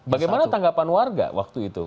bagaimana tanggapan warga waktu itu